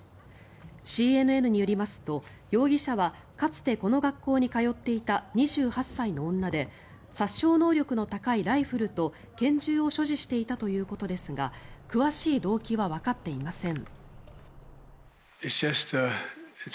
ＣＮＮによりますと、容疑者はかつて、この学校に通っていた２８歳の女で殺傷能力の高いライフルと拳銃を所持していたということですが詳しい動機はわかっていません。